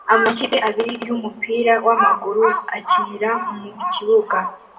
Amakipe abiri yumupira wamaguru akinira mukibuga